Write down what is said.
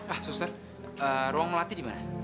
ah suster ruang melatih di mana